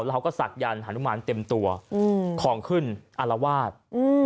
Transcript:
แล้วเขาก็ศักยันต์หานุมานเต็มตัวอืมของขึ้นอารวาส